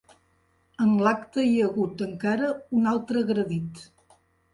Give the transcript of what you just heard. En l’acte hi ha hagut encara un altre agredit.